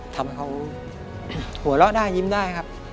ทำให้เขาหัวเราะได้ยิ้มได้ครับ